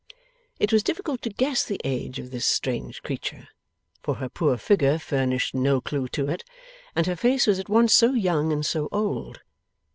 It was difficult to guess the age of this strange creature, for her poor figure furnished no clue to it, and her face was at once so young and so old.